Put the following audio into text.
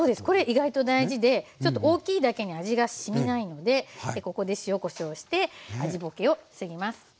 これ意外と大事でちょっと大きいだけに味がしみないのでここで塩・こしょうして味ぼけを防ぎます。